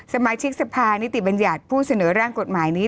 สมาชิกสภานิติบัญญัติผู้เสนอร่างกฎหมายนี้